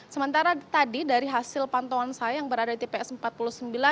sementara tadi dari hasil pantauan saya yang berada di tps empat puluh sembilan